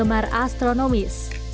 tapi juga penggemar astronomis